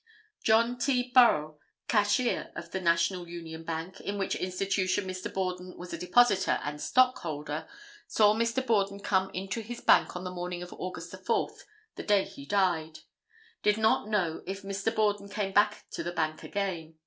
John T. Burrell, cashier of the National Union Bank, in which institution Mr. Borden was a depositor and stockholder, saw Mr. Borden come into his bank on the morning of Aug. 4, the day he died. Did not know if Mr. Borden came back to the bank again.